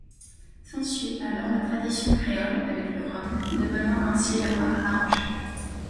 S'en suit alors la tradition créole avec le rhum, devenant ainsi le rhum arrangé.